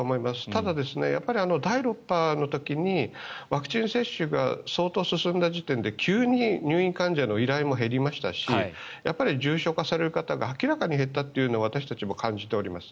ただ、第６波の時にワクチン接種が相当進んだ時点で急に入院患者の依頼も減りましたしやっぱり重症化される方が明らかに減ったというのは私たちも感じております。